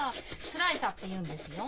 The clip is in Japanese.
スライサーっていうんですよ。